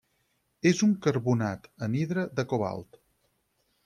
És un carbonat anhidre de cobalt.